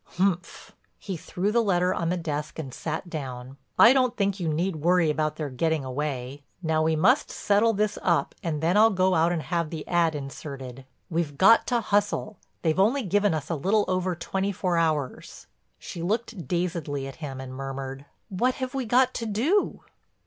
"Umph!" he threw the letter on the desk and sat down, "I don't think you need worry about their getting away. Now we must settle this up and then I'll go out and have the ad inserted. We've got to hustle—they've only given us a little over twenty four hours." She looked dazedly at him and murmured: "What have we got to do?"